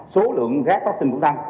số lượng rác phát sinh cũng tăng